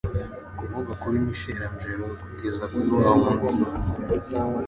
Kuvuga kuri Michelangelo. Ukageza kuri wa wundi